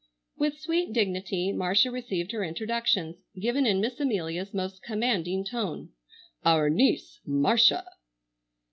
With sweet dignity Marcia received her introductions, given in Miss Amelia's most commanding tone, "Our niece, Marcia!"